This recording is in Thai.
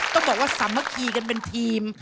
ต้องบอกว่าสามัคคีกันเป็นทีม